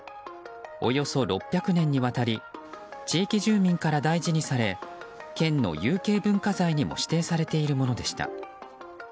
およそ６００年にわたり地域住民から大事にされ県の有形文化財にも指定されているものでした。